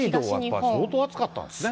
北海道なんかは相当暑かったんですね。